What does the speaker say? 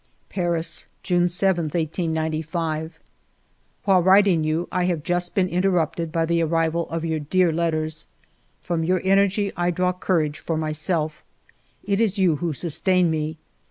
...Paris, June 7, 1895. " While writing you, I have just been inter rupted by the arrival of your dear letters. ... From your energy I drew courage for myself. It is you who sustain me.